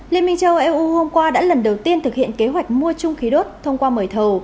liên minh châu âu eu hôm qua đã lần đầu tiên thực hiện kế hoạch mua chung khí đốt thông qua mời thầu